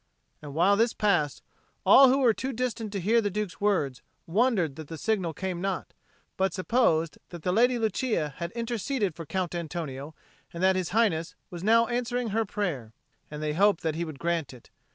And while this passed, all who were too distant to hear the Duke's words wondered that the signal came not, but supposed that the Lady Lucia had interceded for Count Antonio, and that His Highness was now answering her prayer: and they hoped that he would grant it.